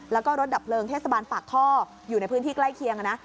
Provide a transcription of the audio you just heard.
แล้วก็รถดับเพลิงเทศบาลปากท่ออยู่ในพื้นที่ใกล้เคียงนะ